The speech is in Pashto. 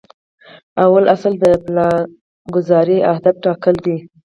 لومړی اصل د پلانګذارۍ اهداف ټاکل دي.